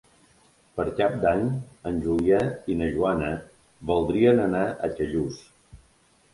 Per Cap d'Any en Julià i na Joana voldrien anar a Callús.